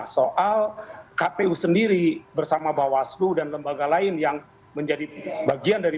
soal kpu sendiri bersama bawaslu dan lembaga lain yang menjadi bagian dari